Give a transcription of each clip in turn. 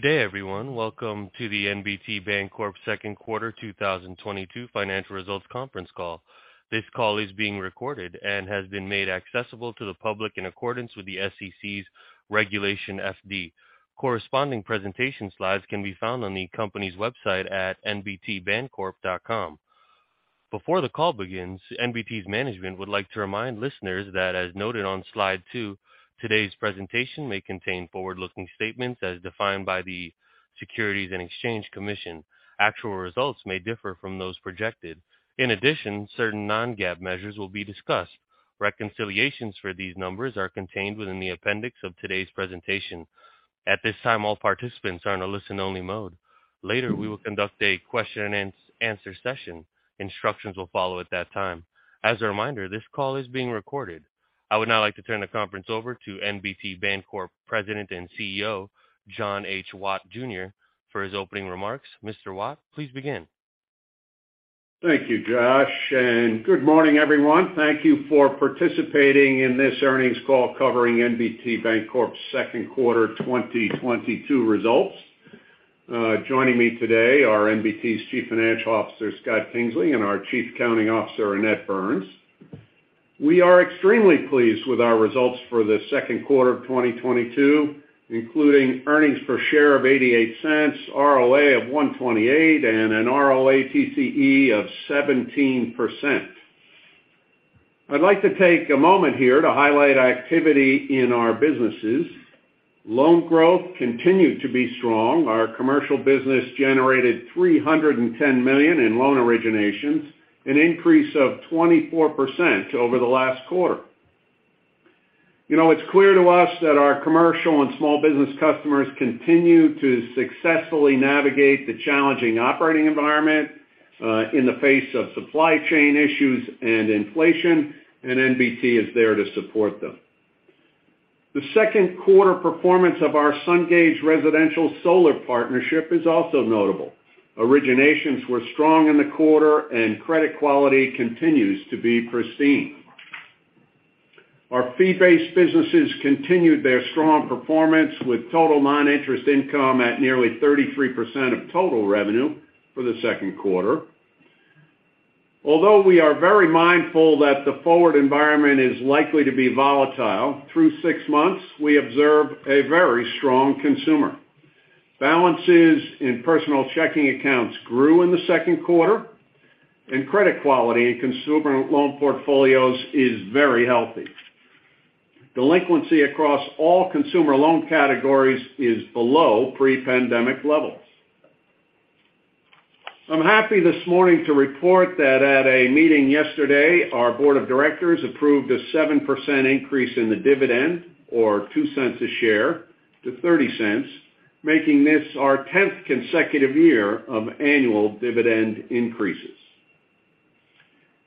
Good day, everyone. Welcome to the NBT Bancorp second quarter 2022 financial results conference call. This call is being recorded and has been made accessible to the public in accordance with the SEC's Regulation FD. Corresponding presentation slides can be found on the company's website at nbtbancorp.com. Before the call begins, NBT's management would like to remind listeners that, as noted on slide two, today's presentation may contain forward-looking statements as defined by the Securities and Exchange Commission. Actual results may differ from those projected. In addition, certain non-GAAP measures will be discussed. Reconciliations for these numbers are contained within the appendix of today's presentation. At this time, all participants are in a listen-only mode. Later, we will conduct a question and answer session. Instructions will follow at that time. As a reminder, this call is being recorded. I would now like to turn the conference over to NBT Bancorp President and CEO, John H. Watt Jr. for his opening remarks. Mr. Watt, please begin. Thank you, Josh, and good morning, everyone. Thank you for participating in this earnings call covering NBT Bancorp's second quarter 2022 results. Joining me today are NBT's Chief Financial Officer, Scott Kingsley, and our Chief Accounting Officer, Annette Burns. We are extremely pleased with our results for the second quarter of 2022, including earnings per share of $0.88, ROA of 1.28%, and a ROATCE of 17%. I'd like to take a moment here to highlight activity in our businesses. Loan growth continued to be strong. Our commercial business generated $310 million in loan originations, an increase of 24% over the last quarter. You know, it's clear to us that our commercial and small business customers continue to successfully navigate the challenging operating environment in the face of supply chain issues and inflation, and NBT is there to support them. The second quarter performance of our Sungage Residential Solar Partnership is also notable. Originations were strong in the quarter and credit quality continues to be pristine. Our fee-based businesses continued their strong performance with total non-interest income at nearly 33% of total revenue for the second quarter. Although we are very mindful that the forward environment is likely to be volatile, through six months, we observe a very strong consumer. Balances in personal checking accounts grew in the second quarter and credit quality in consumer loan portfolios is very healthy. Delinquency across all consumer loan categories is below pre-pandemic levels. I'm happy this morning to report that at a meeting yesterday, our board of directors approved a 7% increase in the dividend, or $0.02 a share to $0.30, making this our 10th consecutive year of annual dividend increases.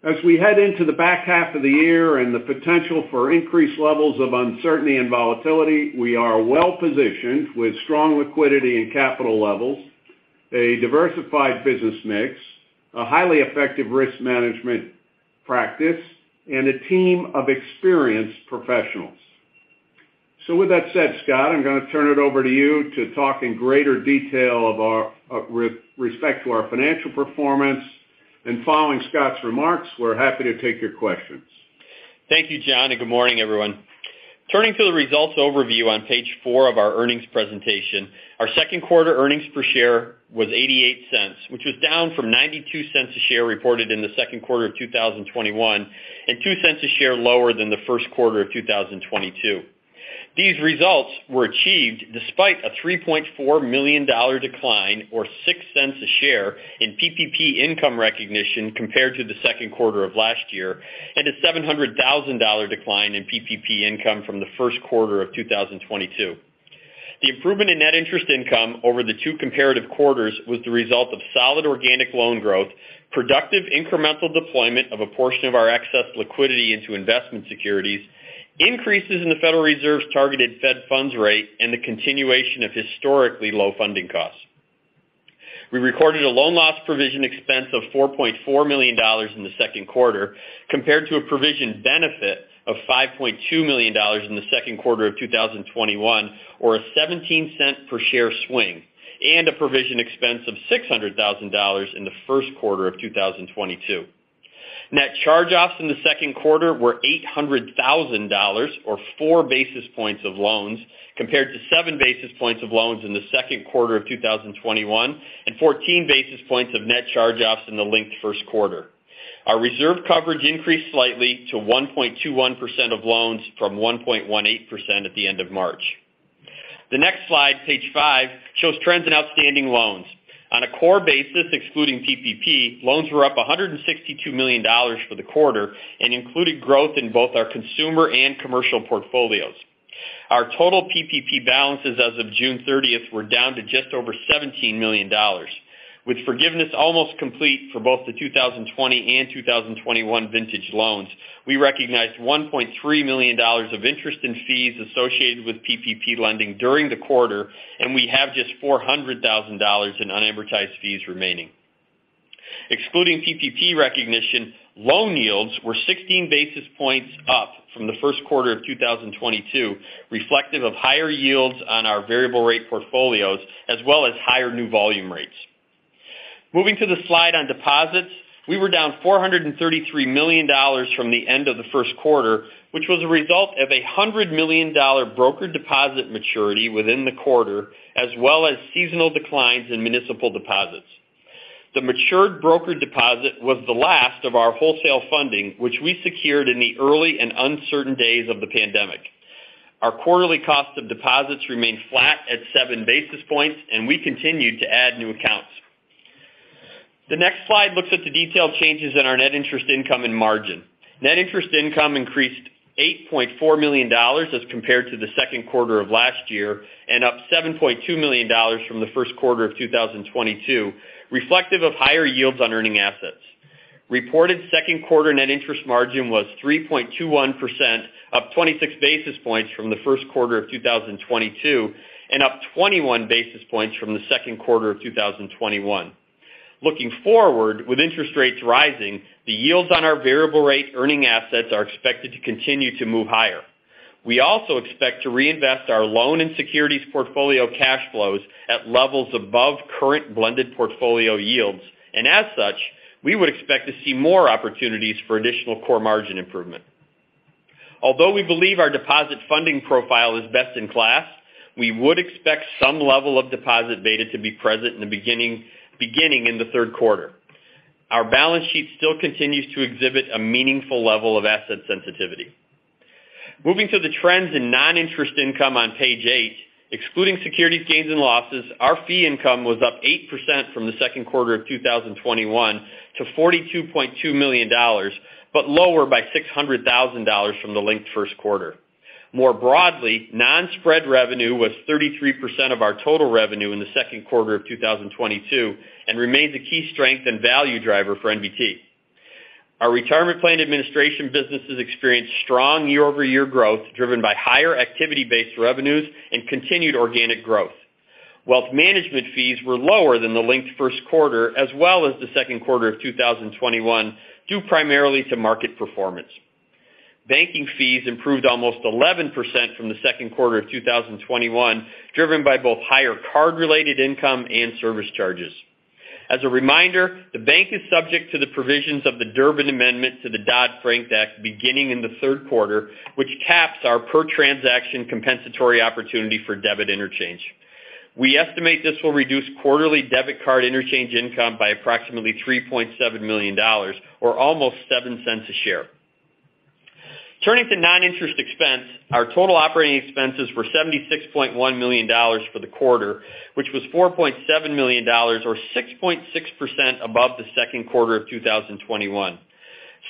As we head into the back half of the year and the potential for increased levels of uncertainty and volatility, we are well-positioned with strong liquidity and capital levels, a diversified business mix, a highly effective risk management practice, and a team of experienced professionals. With that said, Scott, I'm gonna turn it over to you to talk in greater detail with respect to our financial performance. Following Scott's remarks, we're happy to take your questions. Thank you, John, and good morning, everyone. Turning to the results overview on page 4 of our earnings presentation, our second quarter earnings per share was $0.88, which was down from $0.92 a share reported in the second quarter of 2021 and $0.02 a share lower than the first quarter of 2022. These results were achieved despite a $3.4 million decline or $0.06 a share in PPP income recognition compared to the second quarter of last year, and a $700,000 decline in PPP income from the first quarter of 2022. The improvement in net interest income over the two comparative quarters was the result of solid organic loan growth, productive incremental deployment of a portion of our excess liquidity into investment securities, increases in the Federal Reserve's targeted Federal Funds Rate, and the continuation of historically low funding costs. We recorded a loan loss provision expense of $4.4 million in the second quarter, compared to a provision benefit of $5.2 million in the second quarter of 2021, or a $0.17 per share swing, and a provision expense of $600,000 in the first quarter of 2022. Net charge-offs in the second quarter were $800,000 or 4 basis points of loans, compared to 7 basis points of loans in the second quarter of 2021 and 14 basis points of net charge-offs in the linked first quarter. Our reserve coverage increased slightly to 1.21% of loans from 1.18% at the end of March. The next slide, page five, shows trends in outstanding loans. On a core basis, excluding PPP, loans were up $162 million for the quarter and included growth in both our consumer and commercial portfolios. Our total PPP balances as of June thirtieth were down to just over $17 million. With forgiveness almost complete for both the 2020 and 2021 vintage loans, we recognized $1.3 million of interest and fees associated with PPP lending during the quarter, and we have just $400,000 in unamortized fees remaining. Excluding PPP recognition, loan yields were 16 basis points up from the first quarter of 2022, reflective of higher yields on our variable-rate portfolios, as well as higher new volume rates. Moving to the slide on deposits. We were down $433 million from the end of the first quarter, which was a result of a $100 million brokered deposit maturity within the quarter, as well as seasonal declines in municipal deposits. The matured brokered deposit was the last of our wholesale funding, which we secured in the early and uncertain days of the pandemic. Our quarterly cost of deposits remained flat at 7 basis points, and we continued to add new accounts. The next slide looks at the detailed changes in our net interest income and margin. Net interest income increased $8.4 million as compared to the second quarter of last year, and up $7.2 million from the first quarter of 2022, reflective of higher yields on earning assets. Reported second quarter net interest margin was 3.21%, up 26 basis points from the first quarter of 2022, and up 21 basis points from the second quarter of 2021. Looking forward, with interest rates rising, the yields on our variable-rate earning assets are expected to continue to move higher. We also expect to reinvest our loan and securities portfolio cash flows at levels above current blended portfolio yields. As such, we would expect to see more opportunities for additional core margin improvement. Although we believe our deposit funding profile is best in class, we would expect some level of deposit beta to be present beginning in the third quarter. Our balance sheet still continues to exhibit a meaningful level of asset sensitivity. Moving to the trends in non-interest income on page eight. Excluding securities gains and losses, our fee income was up 8% from the second quarter of 2021 to $42.2 million, but lower by $600,000 from the linked first quarter. More broadly, non-spread revenue was 33% of our total revenue in the second quarter of 2022 and remains a key strength and value driver for NBT. Our retirement plan administration businesses experienced strong year-over-year growth, driven by higher activity-based revenues and continued organic growth. Wealth management fees were lower than the linked first quarter, as well as the second quarter of 2021, due primarily to market performance. Banking fees improved almost 11% from the second quarter of 2021, driven by both higher card-related income and service charges. As a reminder, the bank is subject to the provisions of the Durbin Amendment to the Dodd-Frank Act beginning in the third quarter, which caps our per transaction compensatory opportunity for debit interchange. We estimate this will reduce quarterly debit card interchange income by approximately $3.7 million or almost $0.07 a share. Turning to non-interest expense, our total operating expenses were $76.1 million for the quarter, which was $4.7 million or 6.6% above the second quarter of 2021.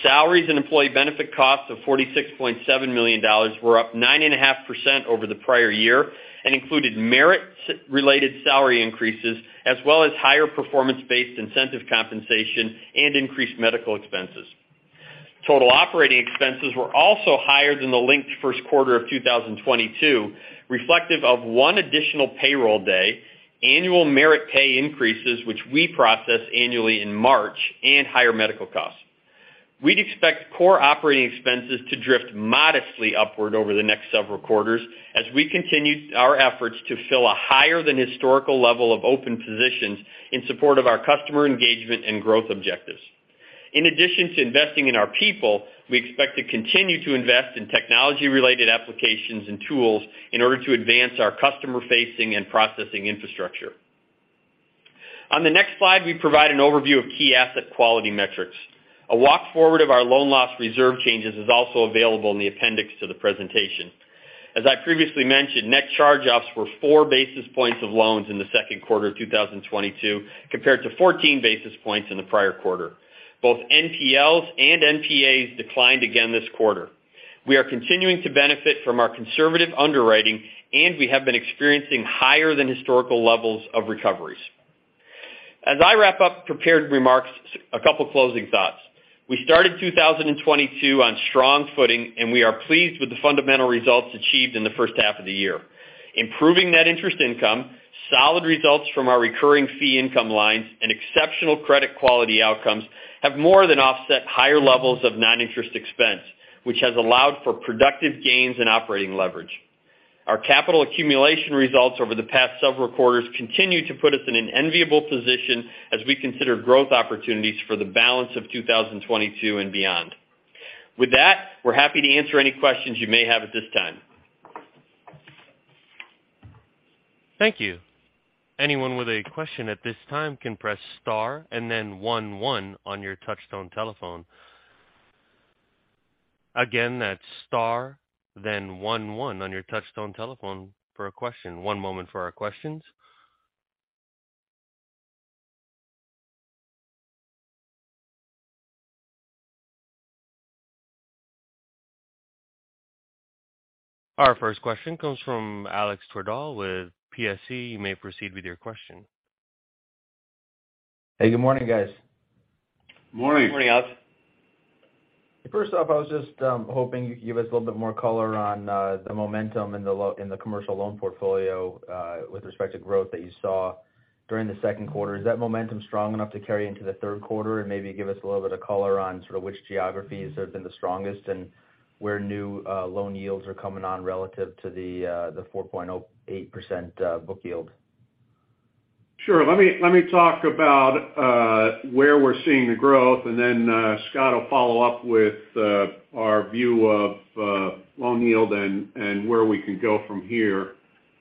Salaries and employee benefit costs of $46.7 million were up 9.5% over the prior year and included merit-related salary increases, as well as higher performance-based incentive compensation and increased medical expenses. Total operating expenses were also higher than the linked first quarter of 2022, reflective of one additional payroll day, annual merit pay increases, which we process annually in March and higher medical costs. We'd expect core operating expenses to drift modestly upward over the next several quarters as we continue our efforts to fill a higher-than-historical level of open positions in support of our customer engagement and growth objectives. In addition to investing in our people, we expect to continue to invest in technology-related applications and tools in order to advance our customer-facing and processing infrastructure. On the next slide, we provide an overview of key asset quality metrics. A walk forward of our loan loss reserve changes is also available in the appendix to the presentation. As I previously mentioned, net charge-offs were 4 basis points of loans in the second quarter of 2022, compared to 14 basis points in the prior quarter. Both NPLs and NPAs declined again this quarter. We are continuing to benefit from our conservative underwriting, and we have been experiencing higher-than-historical levels of recoveries. As I wrap up prepared remarks, a couple closing thoughts. We started 2022 on strong footing, and we are pleased with the fundamental results achieved in the first half of the year. Improving net interest income, solid results from our recurring fee income lines, and exceptional credit quality outcomes have more than offset higher levels of non-interest expense, which has allowed for productive gains and operating leverage. Our capital accumulation results over the past several quarters continue to put us in an enviable position as we consider growth opportunities for the balance of 2022 and beyond. With that, we're happy to answer any questions you may have at this time. Thank you. Anyone with a question at this time can press star and then one one on your touchtone telephone. Again, that's star, then one one on your touchtone telephone for a question. One moment for our questions. Our first question comes from Alex Twerdahl with PSC. You may proceed with your question. Hey, good morning, guys. Morning. Morning, Alex. First off, I was just hoping you give us a little bit more color on the momentum in the loan portfolio with respect to growth that you saw during the second quarter. Is that momentum strong enough to carry into the third quarter? Maybe give us a little bit of color on sort of which geographies have been the strongest, and where new loan yields are coming on relative to the 4.08% book yield. Sure. Let me talk about where we're seeing the growth, and then Scott will follow up with our view of loan yield and where we can go from here.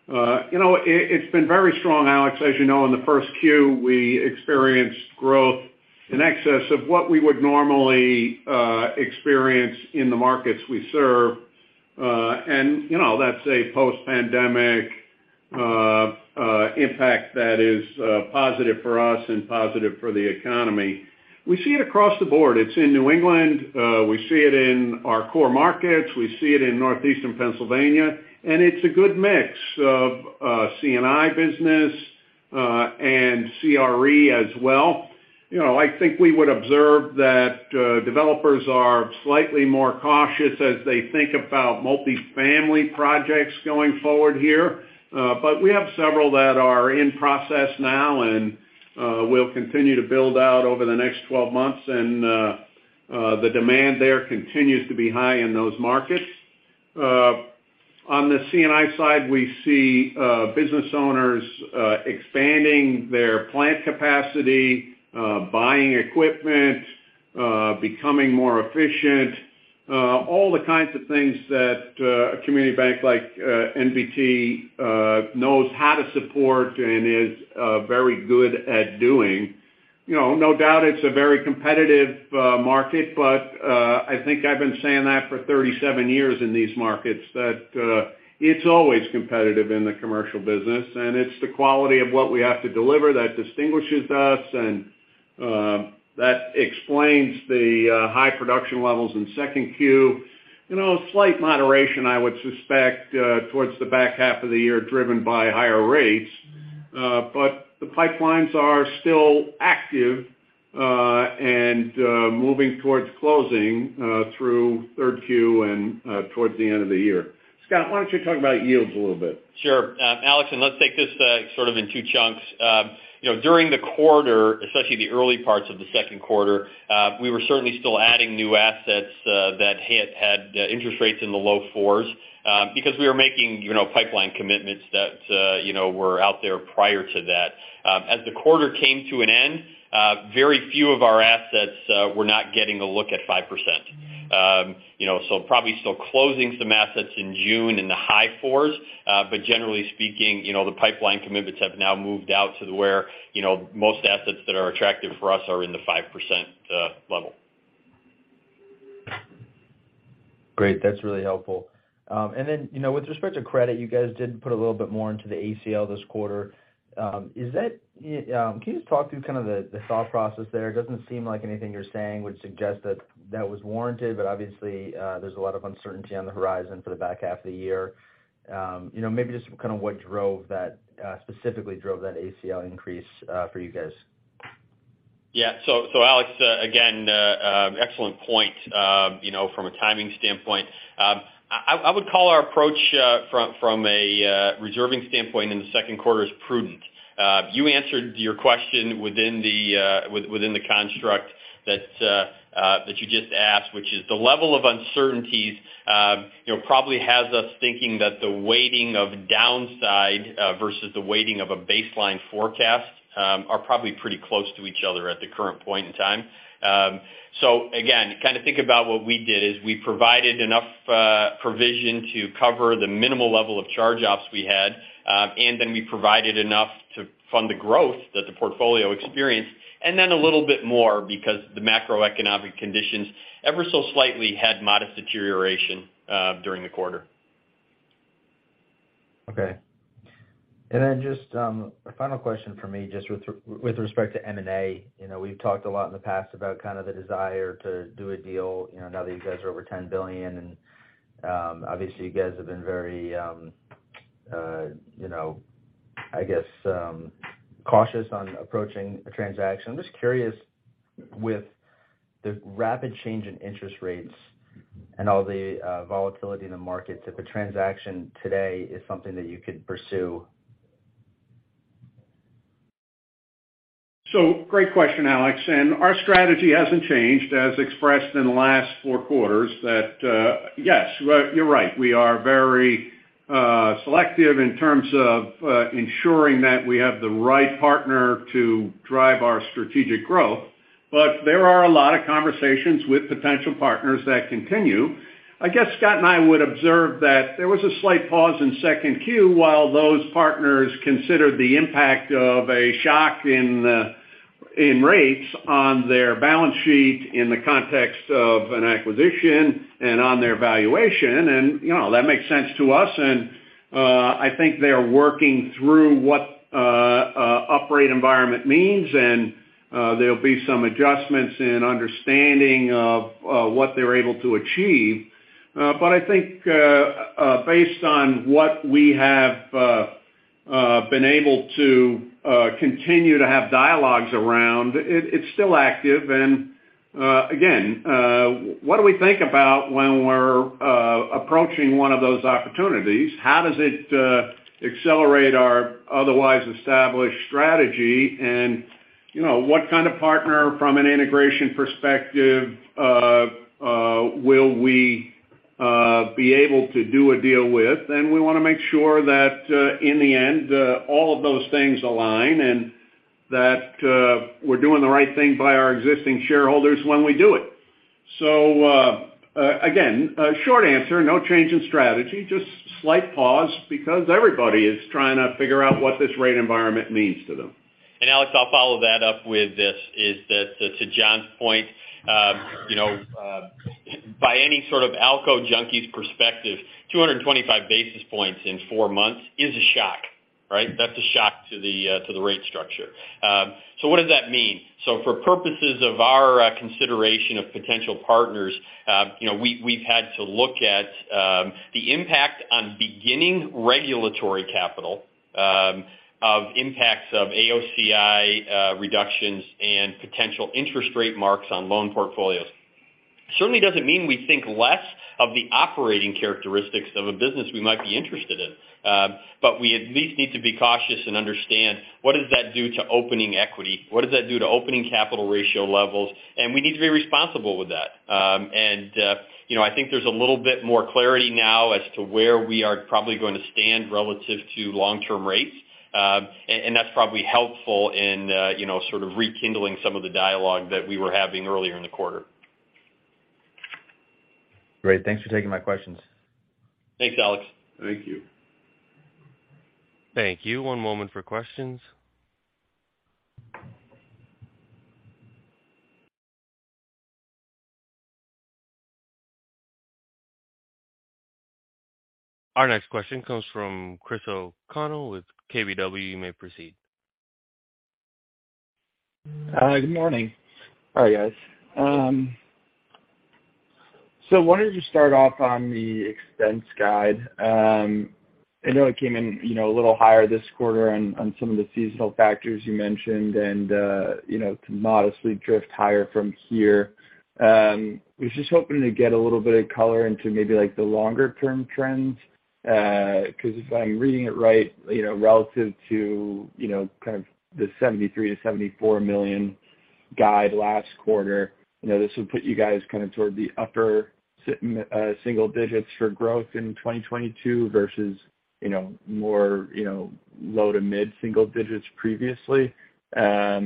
You know, it's been very strong, Alex. As you know, in the first Q, we experienced growth in excess of what we would normally experience in the markets we serve. You know, that's a post-pandemic impact that is positive for us and positive for the economy. We see it across the board. It's in New England. We see it in our core markets. We see it in Northeastern Pennsylvania. It's a good mix of C&I business and CRE as well. You know, I think we would observe that developers are slightly more cautious as they think about multifamily projects going forward here. We have several that are in process now and will continue to build out over the next 12 months. The demand there continues to be high in those markets. On the C&I side, we see business owners expanding their plant capacity, buying equipment, becoming more efficient, all the kinds of things that a community bank like NBT knows how to support and is very good at doing. You know, no doubt it's a very competitive market, but I think I've been saying that for 37 years in these markets, that it's always competitive in the commercial business. It's the quality of what we have to deliver that distinguishes us and that explains the high production levels in second Q. You know, slight moderation, I would suspect, towards the back half of the year driven by higher rates. The pipelines are still active, and moving towards closing through third Q and towards the end of the year. Scott, why don't you talk about yields a little bit? Sure. Alex, let's take this sort of in two chunks. You know, during the quarter, especially the early parts of the second quarter, we were certainly still adding new assets that had interest rates in the low 4s, because we were making, you know, pipeline commitments that, you know, were out there prior to that. As the quarter came to an end, very few of our assets were not getting locked at 5%. You know, so probably still closing some assets in June in the high 4s. But generally speaking, you know, the pipeline commitments have now moved out to where, you know, most assets that are attractive for us are in the 5% level. Great. That's really helpful. You know, with respect to credit, you guys did put a little bit more into the ACL this quarter. Can you just talk through kind of the thought process there? It doesn't seem like anything you're saying would suggest that that was warranted, but obviously, there's a lot of uncertainty on the horizon for the back half of the year. You know, maybe just kind of what drove that, specifically drove that ACL increase, for you guys. Yeah. Alex, again, excellent point, you know, from a timing standpoint. I would call our approach from a reserving standpoint in the second quarter as prudent. You answered your question within the construct that you just asked, which is the level of uncertainties, you know, probably has us thinking that the weighting of downside versus the weighting of a baseline forecast are probably pretty close to each other at the current point in time. Again, kind of think about what we did is we provided enough provision to cover the minimal level of charge-offs we had, and then we provided enough to fund the growth that the portfolio experienced, and then a little bit more because the macroeconomic conditions ever so slightly had modest deterioration during the quarter. Okay. Just a final question from me, just with respect to M&A. You know, we've talked a lot in the past about kind of the desire to do a deal, you know, now that you guys are over $10 billion. Obviously, you guys have been very, you know, I guess, cautious on approaching a transaction. I'm just curious with the rapid change in interest rates and all the volatility in the markets, if a transaction today is something that you could pursue. Great question, Alex. Our strategy hasn't changed as expressed in the last four quarters. Yes, well, you're right. We are very selective in terms of ensuring that we have the right partner to drive our strategic growth. There are a lot of conversations with potential partners that continue. I guess Scott and I would observe that there was a slight pause in second Q while those partners considered the impact of a shock in rates on their balance sheet in the context of an acquisition and on their valuation. You know, that makes sense to us. I think they're working through what a higher-rate environment means, and there'll be some adjustments in understanding of what they're able to achieve. I think based on what we have been able to continue to have dialogues around, it's still active and again what do we think about when we're approaching one of those opportunities? How does it accelerate our otherwise established strategy? You know, what kind of partner from an integration perspective will we be able to do a deal with? We wanna make sure that in the end all of those things align and that we're doing the right thing by our existing shareholders when we do it. Again, a short answer no change in strategy, just slight pause, because everybody is trying to figure out what this rate environment means to them. Alex, I'll follow that up with this, is that to John's point, by any sort of ALCO junkie's perspective, 225 basis points in four months is a shock, right? That's a shock to the rate structure. What does that mean? For purposes of our consideration of potential partners, we've had to look at the impact on beginning regulatory capital of impacts of AOCI reductions and potential interest-rate marks on loan portfolios. Certainly doesn't mean we think less of the operating characteristics of a business we might be interested in. We at least need to be cautious and understand what does that do to opening equity? What does that do to opening capital ratio levels? We need to be responsible with that. You know, I think there's a little bit more clarity now as to where we are probably going to stand relative to long-term rates. That's probably helpful in, you know, sort of rekindling some of the dialogue that we were having earlier in the quarter. Great. Thanks for taking my questions. Thanks, Alex. Thank you. Thank you. One moment for questions. Our next question comes from Chris O'Connell with KBW. You may proceed. Hi, good morning. All right, guys. Why don't you start off on the expense guide? I know it came in, you know, a little higher this quarter on some of the seasonal factors you mentioned, and, you know, to modestly drift higher from here. Was just hoping to get a little bit of color into maybe like the longer term trends, because if I'm reading it right, you know, relative to, you know, kind of the $73 million-$74 million guide last quarter, you know, this would put you guys kind of toward the upper-single-digit for growth in 2022 versus, you know, more, you know, low- to mid-single-digit previously. Does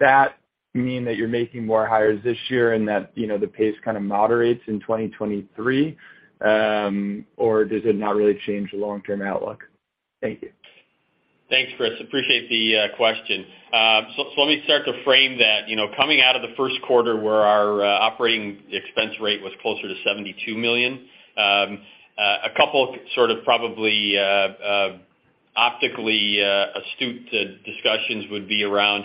that mean that you're making more hires this year and that, you know, the pace kind of moderates in 2023? Does it not really change the long-term outlook? Thank you. Thanks, Chris. Appreciate the question. So let me start to frame that. You know, coming out of the first quarter where our operating expense rate was closer to $72 million. A couple sort of probably optically astute observers would be around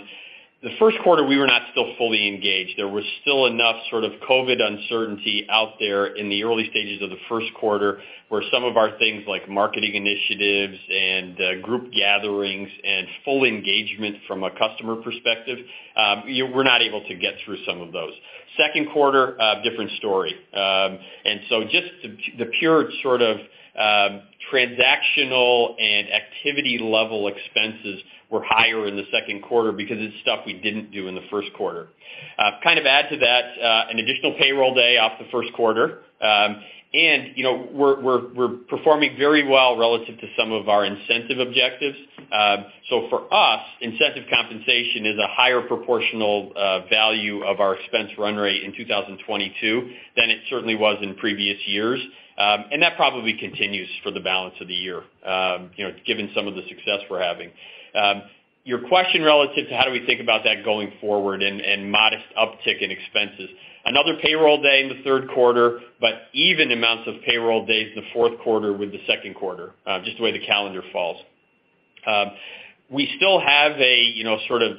the first quarter, we were not still fully engaged. There was still enough sort of COVID uncertainty out there in the early stages of the first quarter, where some of our things like marketing initiatives and group gatherings and full engagement from a customer perspective, we're not able to get through some of those. Second quarter, different story. Just the pure sort of transactional and activity-level expenses were higher in the second quarter because it's stuff we didn't do in the first quarter. Kind of add to that, an additional payroll day off the first quarter. You know, we're performing very well relative to some of our incentive objectives. For us, incentive compensation is a higher proportional value of our expense run rate in 2022 than it certainly was in previous years. That probably continues for the balance of the year, you know, given some of the success we're having. Your question relative to how do we think about that going forward and modest uptick in expenses. Another payroll day in the third quarter, but even amounts of payroll days in the fourth quarter with the second quarter, just the way the calendar falls. We still have a, you know, sort of,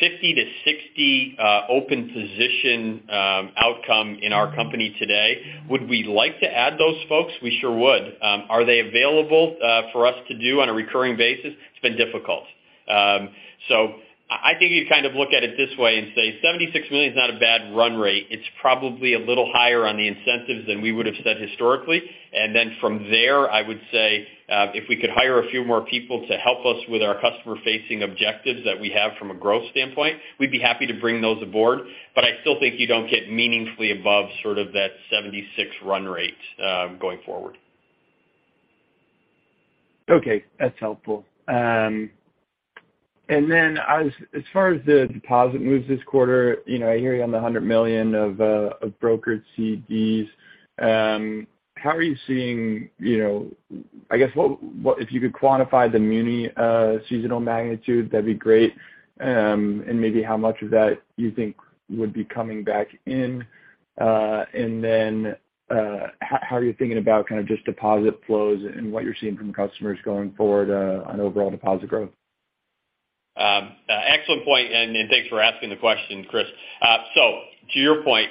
50-60 open position outcome in our company today. Would we like to add those folks? We sure would. Are they available for us to do on a recurring basis? It's been difficult. I think you kind of look at it this way and say $76 million is not a bad run rate. It's probably a little higher on the incentives than we would have said historically. From there, I would say if we could hire a few more people to help us with our customer-facing objectives that we have from a growth standpoint, we'd be happy to bring those aboard. I still think you don't get meaningfully above sort of that $76 million run rate going forward. Okay, that's helpful. As far as the deposit moves this quarter, you know, I hear you on the $100 million of brokered CDs. How are you seeing, you know? I guess, what if you could quantify the muni seasonal magnitude, that'd be great. Maybe how much of that you think would be coming back in. How are you thinking about kind of just deposit flows and what you're seeing from customers going forward on overall deposit growth? Excellent point, and thanks for asking the question, Chris. To your point,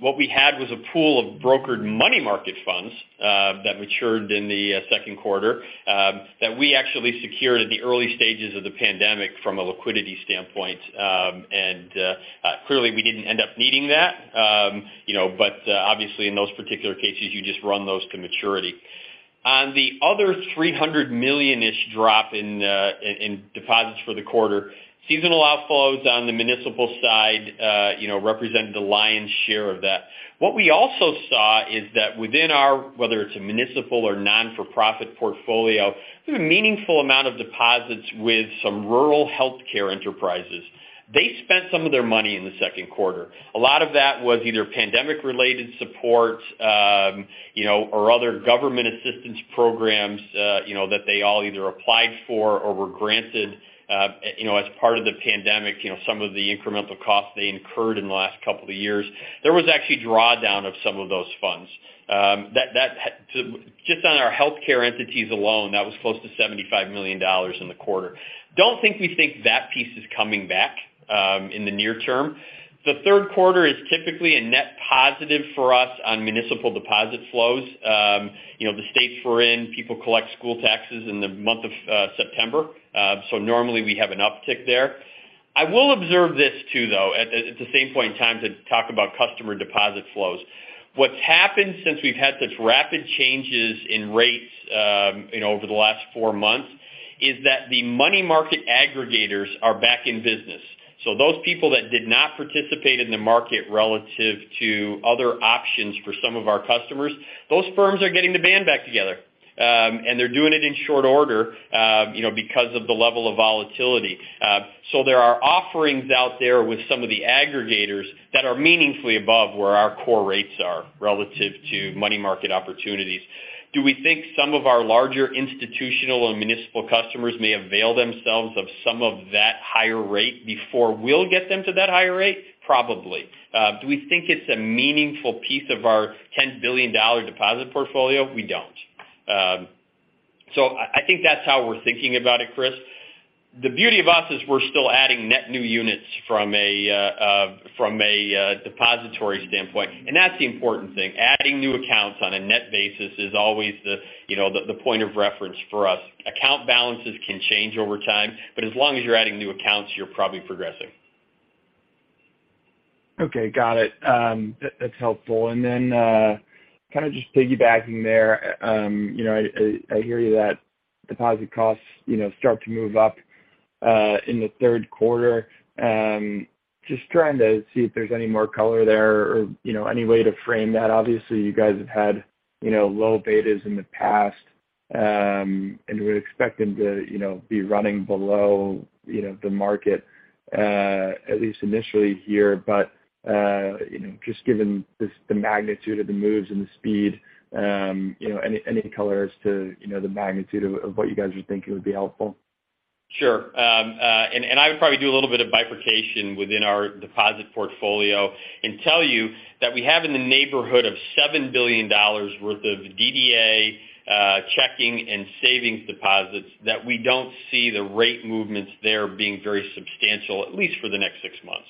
what we had was a pool of brokered money market funds that matured in the second quarter that we actually secured at the early stages of the pandemic from a liquidity standpoint. Clearly, we didn't end up needing that, you know, but obviously, in those particular cases, you just run those to maturity. On the other $300 million-ish drop in deposits for the quarter, seasonal outflows on the municipal side, you know, represented the lion's share of that. What we also saw is that within our, whether it's a municipal or non-for-profit portfolio, there's a meaningful amount of deposits with some rural healthcare enterprises. They spent some of their money in the second quarter. A lot of that was either pandemic-related support, you know, or other government assistance programs, you know, that they all either applied for or were granted, you know, as part of the pandemic, you know, some of the incremental costs they incurred in the last couple of years. There was actually drawdown of some of those funds. Just on our healthcare entities alone, that was close to $75 million in the quarter. Don't think we think that piece is coming back in the near term. The third quarter is typically a net positive for us on municipal deposit flows. You know, the states we're in, people collect school taxes in the month of September. Normally we have an uptick there. I will observe this too, though at the same point in time to talk about customer deposit flows. What's happened since we've had such rapid changes in rates, you know, over the last four months, is that the money market aggregators are back in business. Those people that did not participate in the market relative to other options for some of our customers, those firms are getting the band back together, and they're doing it in short order, you know, because of the level of volatility. There are offerings out there with some of the aggregators that are meaningfully above where our core rates are relative to money market opportunities. Do we think some of our larger institutional and municipal customers may avail themselves of some of that higher rate before we'll get them to that higher rate? Probably. Do we think it's a meaningful piece of our $10 billion deposit portfolio? We don't. I think that's how we're thinking about it, Chris. The beauty of us is we're still adding net new units from a depository standpoint, and that's the important thing. Adding new accounts on a net basis is always, you know, the point of reference for us. Account balances can change over time, but as long as you're adding new accounts, you're probably progressing. Okay. Got it. That, that's helpful. Then, kind of just piggybacking there, you know, I hear you that deposit costs, you know, start to move up, in the third quarter. Just trying to see if there's any more color there or, you know, any way to frame that. Obviously, you guys have had, you know, low betas in the past, and we're expecting to, you know, be running below, you know, the market, at least initially here. You know, just given this, the magnitude of the moves and the speed, you know, any color as to, you know, the magnitude of what you guys are thinking would be helpful. Sure. I would probably do a little bit of bifurcation within our deposit portfolio and tell you that we have in the neighborhood of $7 billion worth of DDA checking and savings deposits that we don't see the rate movements there being very substantial, at least for the next six months.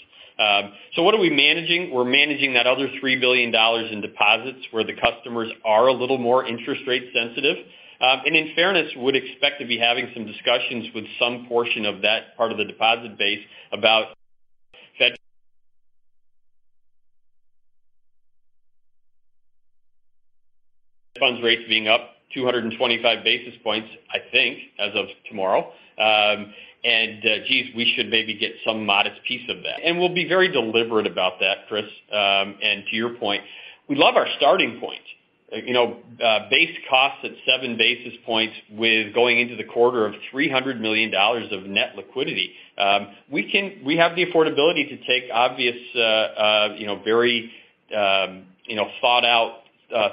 What are we managing? We're managing that other $3 billion in deposits where the customers are a little more interest rate sensitive. In fairness, would expect to be having some discussions with some portion of that part of the deposit base about Fed Funds rates being up 225 basis points, I think, as of tomorrow. Geez, we should maybe get some modest piece of that. We'll be very deliberate about that, Chris. To your point, we love our starting point. You know, base costs at 7 basis points with going into the quarter of $300 million of net liquidity. We have the affordability to take obvious, you know, very, you know, thought out,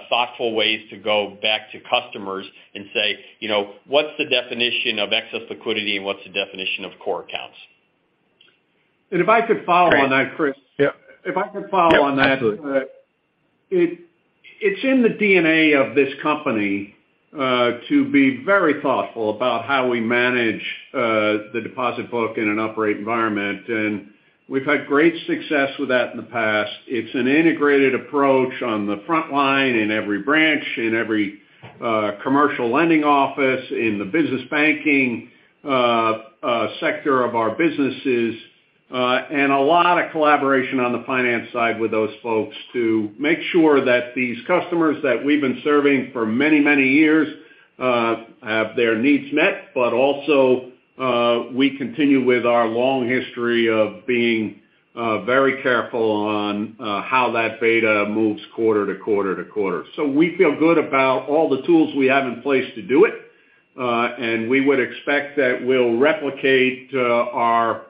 thoughtful ways to go back to customers and say, you know, "What's the definition of excess liquidity, and what's the definition of core accounts? If I could follow on that, Chris. Yeah. If I could follow on that. Yeah. Absolutely. It's in the DNA of this company to be very thoughtful about how we manage the deposit book in an uprate environment, and we've had great success with that in the past. It's an integrated approach on the front line in every branch, in every commercial lending office, in the business banking sector of our businesses, and a lot of collaboration on the finance side with those folks to make sure that these customers that we've been serving for many, many years have their needs met. Also, we continue with our long history of being very careful on how that beta moves quarter to quarter to quarter. We feel good about all the tools we have in place to do it, and we would expect that we'll replicate our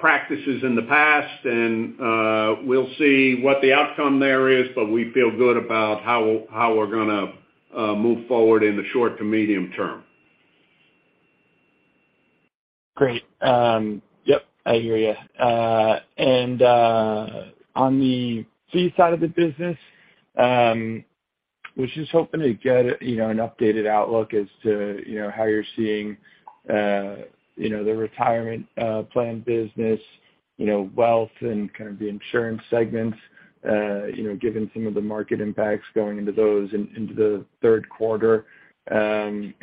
practices in the past and we'll see what the outcome there is, but we feel good about how we're gonna move forward in the short to medium term. Great. Yep, I hear you. On the fee side of the business, was just hoping to get, you know, an updated outlook as to, you know, how you're seeing, you know, the retirement plan business, you know, wealth and kind of the insurance segments, you know, given some of the market impacts going into those in the third quarter. Then,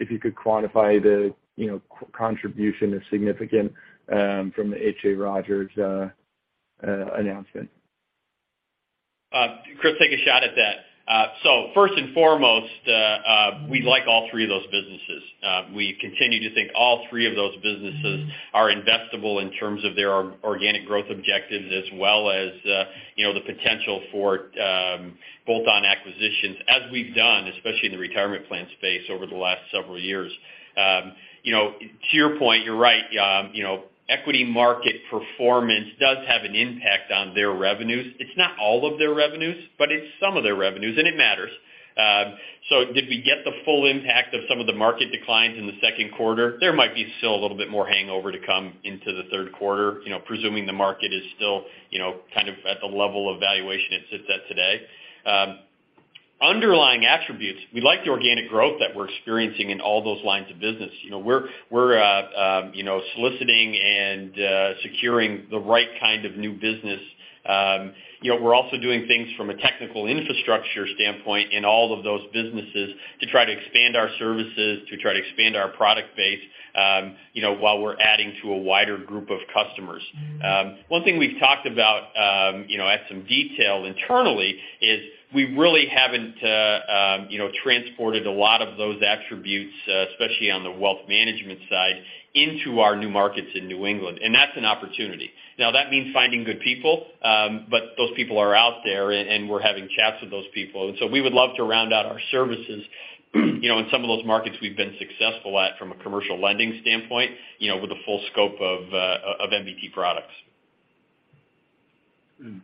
if you could quantify the, you know, contribution, if significant, from the H.A. Rogers announcement. Chris, take a shot at that. First and foremost, we like all three of those businesses. We continue to think all three of those businesses are investable in terms of their organic growth objectives as well as, you know, the potential for bolt-on acquisitions as we've done, especially in the retirement plan space over the last several years. You know, to your point, you're right. You know, equity market performance does have an impact on their revenues. It's not all of their revenues, but it's some of their revenues, and it matters. Did we get the full impact of some of the market declines in the second quarter? There might be still a little bit more hangover to come into the third quarter, you know, presuming the market is still, you know, kind of at the level of valuation it sits at today. Underlying attributes, we like the organic growth that we're experiencing in all those lines of business. You know, we're soliciting and securing the right kind of new business. You know, we're also doing things from a technical infrastructure standpoint in all of those businesses to try to expand our services, to try to expand our product base, you know, while we're adding to a wider group of customers. One thing we've talked about, you know, at some detail internally is we really haven't, you know, transported a lot of those attributes, especially on the wealth management side, into our new markets in New England, and that's an opportunity. Now, that means finding good people, but those people are out there and we're having chats with those people. We would love to round out our services, you know, in some of those markets we've been successful at from a commercial lending standpoint, you know, with the full scope of NBT products.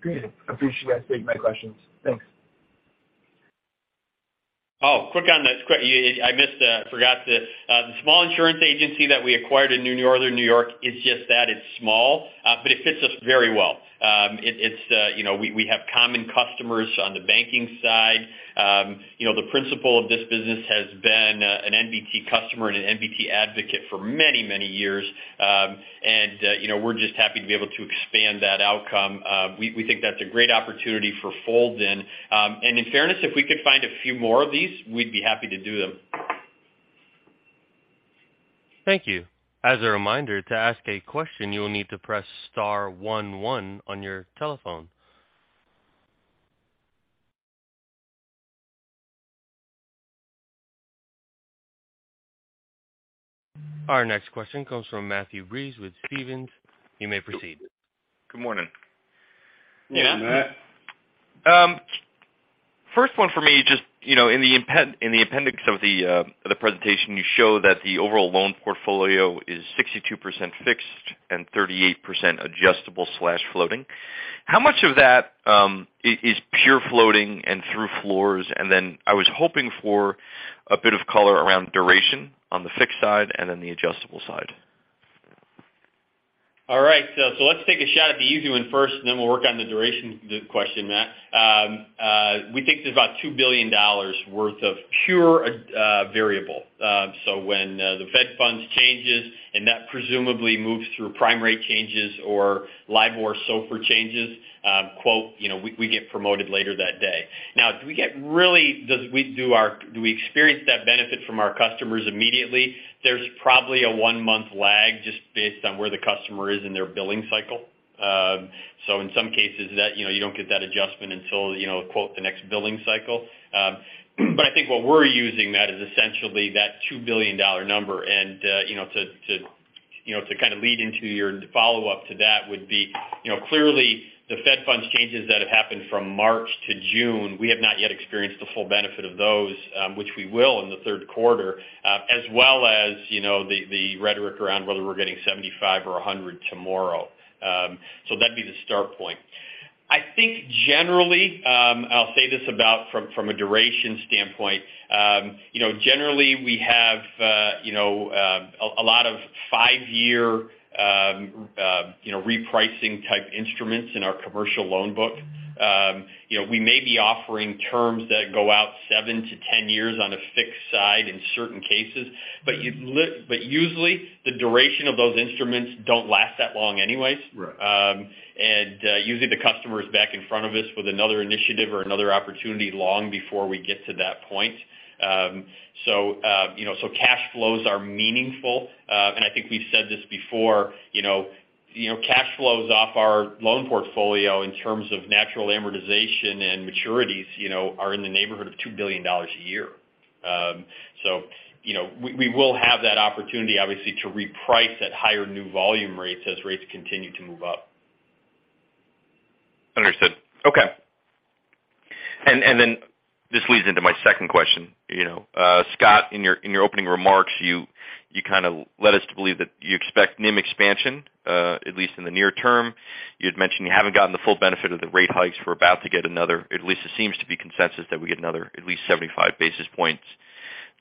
Great. Appreciate you taking my questions. Thanks. The small insurance agency that we acquired in northern New York is just that. It's small, but it fits us very well. You know, we have common customers on the banking side. You know, the principal of this business has been an NBT customer and an NBT advocate for many, many years. You know, we're just happy to be able to expand that outcome. We think that's a great opportunity to fold in. In fairness, if we could find a few more of these, we'd be happy to do them. Thank you. As a reminder, to ask a question, you will need to press star one one on your telephone. Our next question comes from Matthew Breese with Stephens. You may proceed. Good morning. Morning, Matt. First one for me, just, you know, in the appendix of the presentation, you show that the overall loan portfolio is 62% fixed and 38% adjustable/floating. How much of that is pure floating and true floors? And then I was hoping for a bit of color around duration on the fixed side and then the adjustable side. All right. Let's take a shot at the easy one first, and then we'll work on the duration question, Matt. We think there's about $2 billion worth of pure variable. So when the Fed funds changes and that presumably moves through prime rate changes or LIBOR or SOFR changes, you know, we get the benefit later that day. Now, do we experience that benefit from our customers immediately? There's probably a one-month lag just based on where the customer is in their billing cycle. In some cases that, you know, you don't get that adjustment until, you know, the next billing cycle. But I think what we're using that is essentially that $2 billion number. You know, to kind of lead into your follow-up to that would be, you know, clearly the Fed funds changes that have happened from March to June. We have not yet experienced the full benefit of those, which we will in the third quarter, as well as, you know, the rhetoric around whether we're getting 75 or 100 tomorrow. So that'd be the start point. I think generally, I'll say this about from a duration standpoint, you know, generally we have a lot of five-year repricing-type instruments in our commercial loan book. You know, we may be offering terms that go out seven to 10 years on a fixed side in certain cases. Usually, the duration of those instruments don't last that long anyways. Right. Usually the customer is back in front of us with another initiative or another opportunity long before we get to that point. You know, cash flows are meaningful. I think we've said this before, you know. You know, cash flows off our loan portfolio in terms of natural amortization and maturities, you know, are in the neighborhood of $2 billion a year. You know, we will have that opportunity, obviously, to reprice at higher new volume rates as rates continue to move up. Understood. Okay. This leads into my second question. You know, Scott, in your opening remarks, you kind of led us to believe that you expect NIM expansion, at least in the near term. You'd mentioned you haven't gotten the full benefit of the rate hikes. We're about to get another. At least it seems to be consensus that we get another at least 75 basis points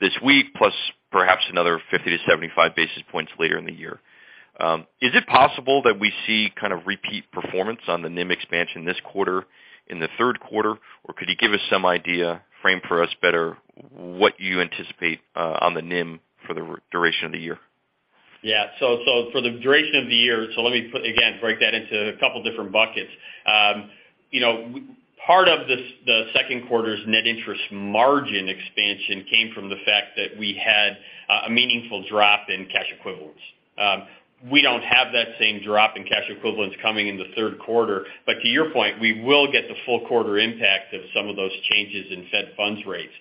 this week, plus perhaps another 50 to 75 basis points later in the year. Is it possible that we see kind of repeat performance on the NIM expansion this quarter in the third quarter? Or could you give us some idea, frame for us better what you anticipate on the NIM for the duration of the year? Let me, again, break that into a couple different buckets. Part of this, the second quarter's net interest margin expansion came from the fact that we had a meaningful drop in cash equivalents. We don't have that same drop in cash equivalents coming in the third quarter. To your point, we will get the full quarter impact of some of those changes in Fed funds rates.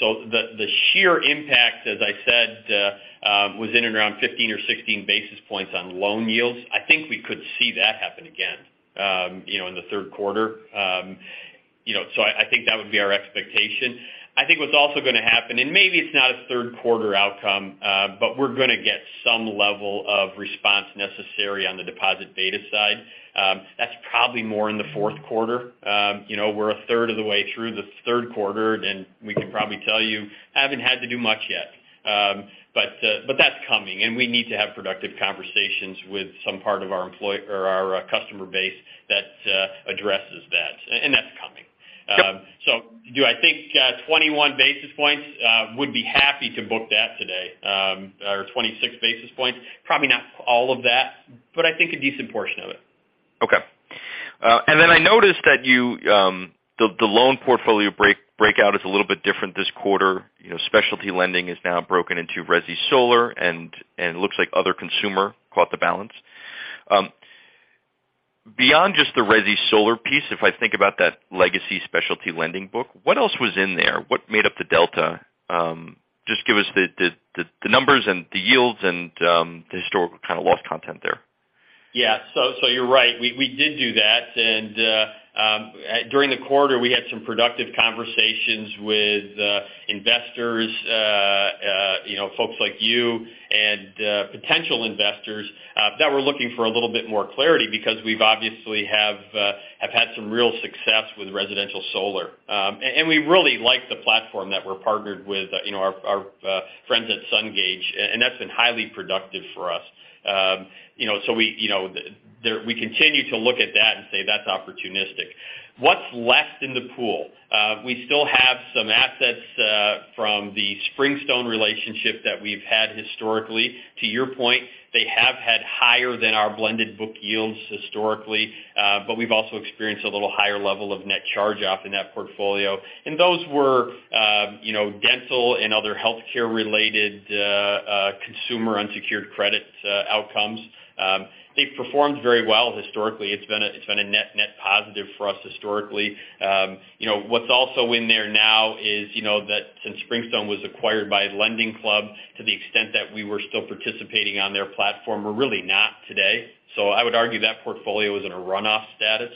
The sheer impact, as I said, was in and around 15 or 16 basis points on loan yields. I think we could see that happen again, you know, in the third quarter. You know, I think that would be our expectation. I think what's also gonna happen, and maybe it's not a third quarter outcome, but we're gonna get some level of response necessary on the deposit beta side. That's probably more in the fourth quarter. You know, we're a third of the way through the third quarter, and we can probably tell you, haven't had to do much yet. That's coming, and we need to have productive conversations with some part of our or our customer base that addresses that, and that's coming. Do I think 21 basis points? Would be happy to book that today, or 26 basis points. Probably not all of that, but I think a decent portion of it. Okay. I noticed that you, the loan portfolio breakout is a little bit different this quarter. You know, specialty lending is now broken into resi solar and looks like other consumer caught the balance. Beyond just the resi solar piece, if I think about that legacy specialty lending book, what else was in there? What made up the delta? Just give us the numbers and the yields and the historical kind of loss content there. Yeah. You're right. We did do that. During the quarter, we had some productive conversations with investors, you know, folks like you and potential investors that were looking for a little bit more clarity because we've obviously have had some real success with residential solar. We really like the platform that we're partnered with, you know, our friends at Sungage, and that's been highly productive for us. You know, we continue to look at that and say that's opportunistic. What's left in the pool? We still have some assets from the Springstone relationship that we've had historically. To your point, they have had higher than our blended book yields historically, but we've also experienced a little higher level of net charge-off in that portfolio. Those were, you know, dental and other healthcare-related, consumer unsecured credit, outcomes. They've performed very well historically. It's been a net net positive for us historically. You know, what's also in there now is, you know, that since Springstone was acquired by LendingClub, to the extent that we were still participating on their platform, we're really not today. I would argue that portfolio is in a runoff status,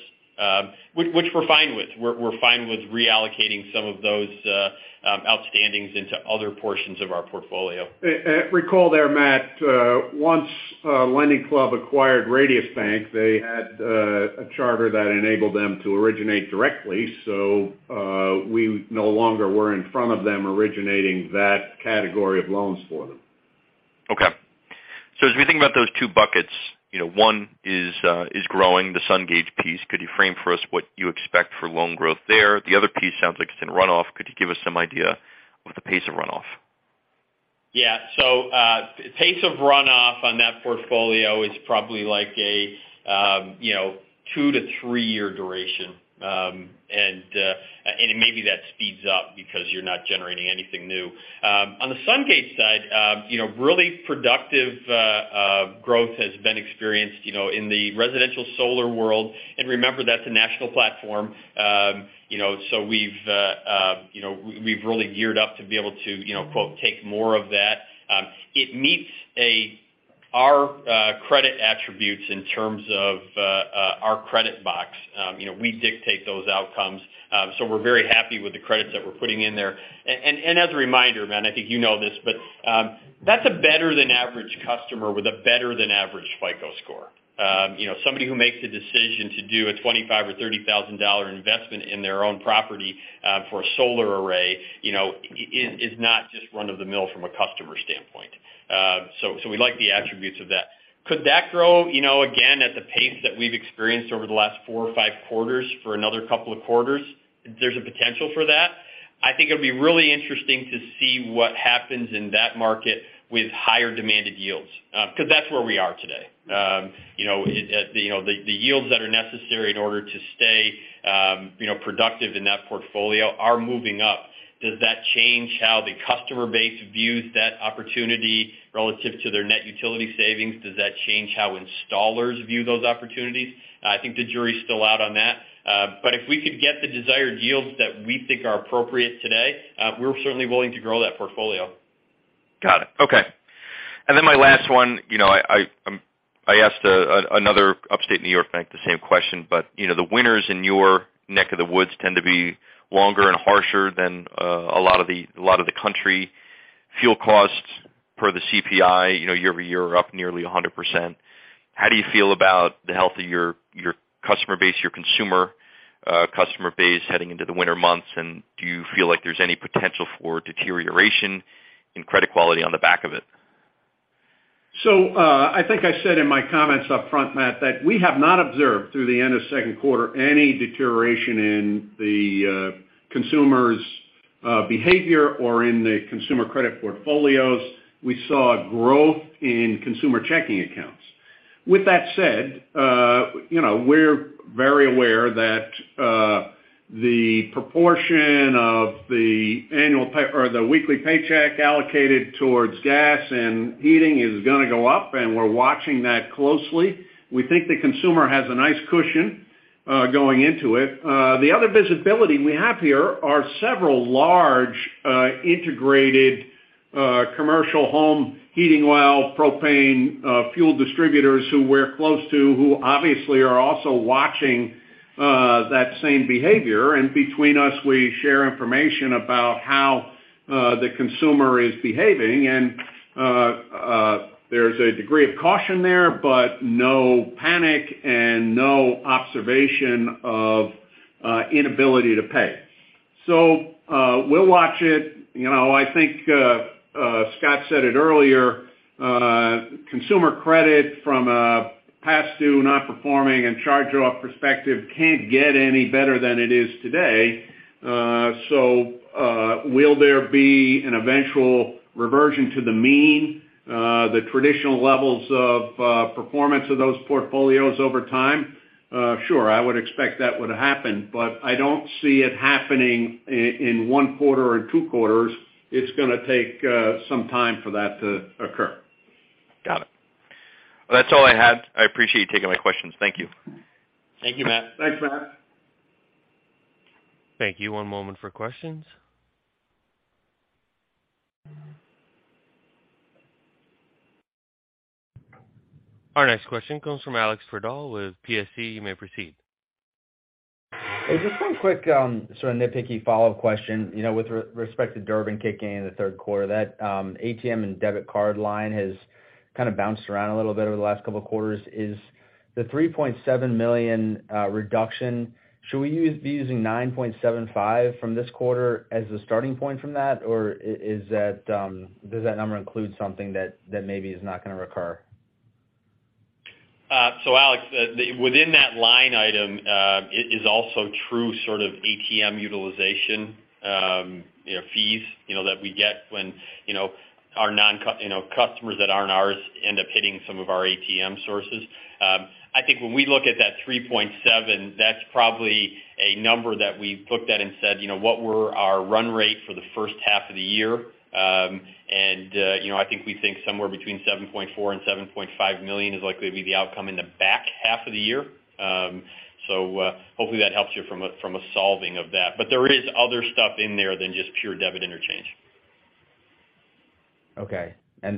which we're fine with. We're fine with reallocating some of those outstandings into other portions of our portfolio. Recall there, Matt, once LendingClub acquired Radius Bank, they had a charter that enabled them to originate directly. We no longer were in front of them originating that category of loans for them. Okay. As we think about those two buckets, you know, one is growing, the Sungage piece. Could you frame for us what you expect for loan growth there? The other piece sounds like it's in runoff. Could you give us some idea of the pace of runoff? Yeah. Pace of runoff on that portfolio is probably like a you know two to three-year duration. Maybe that speeds up because you're not generating anything new. On the Sungage side, you know, really productive growth has been experienced, you know, in the residential solar world. Remember, that's a national platform. You know, we've really geared up to be able to, you know, quote, take more of that. It meets our credit attributes in terms of our credit box. You know, we dictate those outcomes, so we're very happy with the credits that we're putting in there. As a reminder, Matt, I think you know this, but that's a better-than-average customer with a better-than-average FICO score. You know, somebody who makes a decision to do a $25,000 or $30,000 investment in their own property, for a solar array, you know, is not just run-of-the-mill from a customer standpoint. We like the attributes of that. Could that grow, you know, again, at the pace that we've experienced over the last four or five quarters for another couple of quarters? There's a potential for that. I think it'll be really interesting to see what happens in that market with higher demanded yields, 'cause that's where we are today. You know, you know, the yields that are necessary in order to stay, you know, productive in that portfolio are moving up. Does that change how the customer base views that opportunity relative to their net utility savings? Does that change how installers view those opportunities? I think the jury is still out on that. If we could get the desired yields that we think are appropriate today, we're certainly willing to grow that portfolio. Got it. Okay. Then my last one, you know, I asked another upstate New York bank the same question, but you know, the winters in your neck of the woods tend to be longer and harsher than a lot of the country. Fuel costs per the CPI, you know, year-over-year are up nearly 100%. How do you feel about the health of your customer base, your consumer customer base heading into the winter months? Do you feel like there's any potential for deterioration in credit quality on the back of it? I think I said in my comments upfront, Matt, that we have not observed through the end of second quarter any deterioration in the consumer's behavior or in the consumer credit portfolios. We saw growth in consumer checking accounts. With that said, you know, we're very aware that the proportion of the weekly paycheck allocated towards gas and heating is gonna go up, and we're watching that closely. We think the consumer has a nice cushion going into it. The other visibility we have here are several large integrated commercial home heating oil, propane fuel distributors who we're close to, who obviously are also watching that same behavior. Between us, we share information about how the consumer is behaving. There's a degree of caution there, but no panic and no observation of inability to pay. We'll watch it. You know, I think Scott said it earlier, consumer credit from a past due, not performing, and charge-off perspective can't get any better than it is today. Will there be an eventual reversion to the mean, the traditional levels of performance of those portfolios over time? Sure, I would expect that would happen. I don't see it happening in one quarter or two quarters. It's gonna take some time for that to occur. Got it. That's all I had. I appreciate you taking my questions. Thank you. Thank you, Matt. Thanks, Matt. Thank you. One moment for questions. Our next question comes from Alex Twerdahl with PSC. You may proceed. Hey, just one quick, sort of nitpicky follow-up question, you know, with respect to Durbin kicking in the third quarter. That, ATM and debit card line has kind of bounced around a little bit over the last couple of quarters. Is the $3.7 million reduction, should we be using $9.75 million from this quarter as the starting point from that? Or is that, does that number include something that maybe is not gonna recur? Alex, within that line item, it is also true sort of ATM utilization, you know, fees, you know, that we get when, you know, our non-customers that aren't ours end up hitting some of our ATM sources. I think when we look at that $3.7, that's probably a number that we've looked at and said, you know, what were our run rate for the first half of the year? You know, I think we think somewhere between $7.4 million and $7.5 million is likely to be the outcome in the back half of the year. Hopefully that helps you from a solving of that. But there is other stuff in there than just pure debit interchange. Okay. Some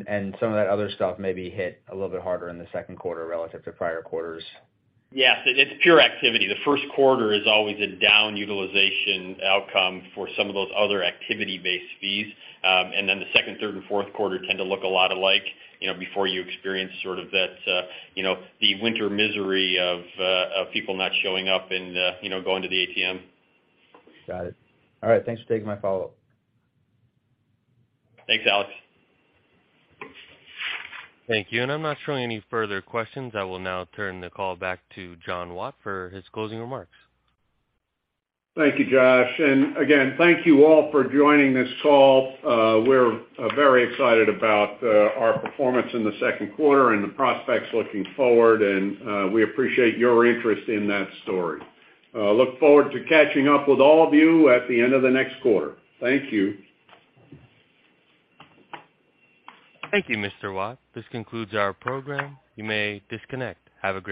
of that other stuff maybe hit a little bit harder in the second quarter relative to prior quarters. Yes. It's pure activity. The first quarter is always a down utilization outcome for some of those other activity-based fees. The second, third, and fourth quarter tend to look a lot alike, you know, before you experience sort of that, you know, the winter misery of people not showing up and, you know, going to the ATM. Got it. All right. Thanks for taking my follow-up. Thanks, Alex. Thank you. I'm not showing any further questions. I will now turn the call back to John H. Watt Jr. for his closing remarks. Thank you, Josh. Again, thank you all for joining this call. We're very excited about our performance in the second quarter and the prospects looking forward, and we appreciate your interest in that story. Look forward to catching up with all of you at the end of the next quarter. Thank you. Thank you, Mr. Watt. This concludes our program. You may disconnect. Have a great day.